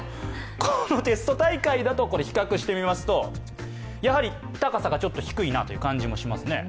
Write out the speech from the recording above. このテスト大会だと、比較してみますと、高さがちょっと低いなという感じもしますね。